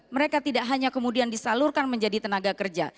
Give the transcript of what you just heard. mereka tidak hanya kemudian disalurkan menjadi tenaga kerja